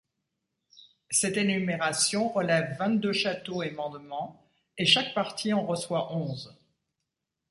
Cette énumération relève vingt-deux châteaux et mandements et chaque partie en reçoit onze.